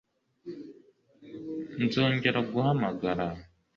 nzongera guhamagara